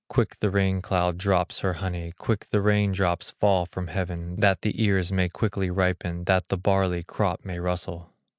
Quick the rain cloud drops her honey, Quick the rain drops fall from heaven, That the ears may quickly ripen, That the barley crop may rustle.